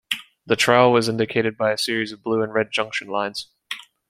The trowal is indicated by a series of blue and red junction lines.